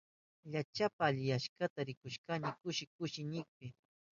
Llaktapa aliyashkanta rikushpayni kushikunimi.